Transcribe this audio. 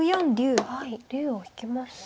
はい竜を引きました。